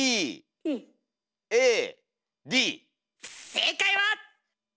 正解は。